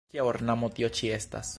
Kia ornamo tio ĉi estas?